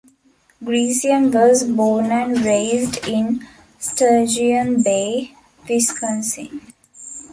Greisen was born and raised in Sturgeon Bay, Wisconsin.